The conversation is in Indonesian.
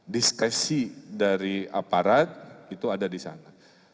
diskresi dari aparat itu ada di sana